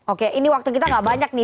oke ini waktu kita gak banyak nih